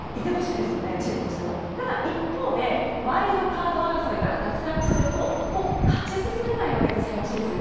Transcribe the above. ただ、一方でワイルドカード争いから脱落すると勝ち進めないわけです今シーズン。